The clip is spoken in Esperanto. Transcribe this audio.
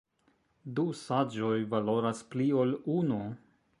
Du saĝoj valoras pli ol unu!